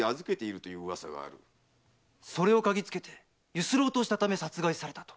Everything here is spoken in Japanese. それを嗅ぎつけて強請ろうとしたため殺害されたと？